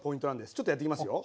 ちょっとやっていきますよ。